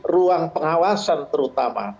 ruang pengawasan terutama